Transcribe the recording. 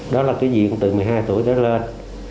đó là cái diện từ một mươi hai tuổi trở lên